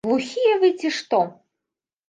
Глухія вы, ці што?